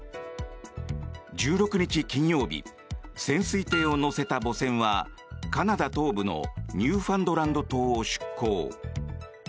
１６日金曜日潜水艇を載せた母船はカナダ東部のニューファンドランド島を出航。